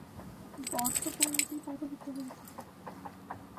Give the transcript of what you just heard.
বর্ষপঞ্জি ব্যবহৃত হয়ে থাকে।